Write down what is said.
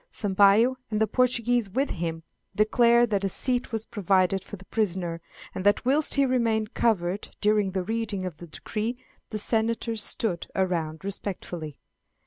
Sampayo, and the Portuguese with him, declare that a seat was provided for the prisoner; and that whilst he remained covered during the reading of the decree the senators stood around respectfully.